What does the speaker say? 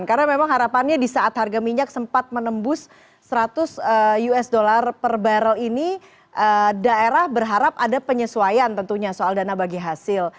karena memang harapannya di saat harga minyak sempat menembus seratus usd per barrel ini daerah berharap ada penyesuaian tentunya soal dana bagi hasil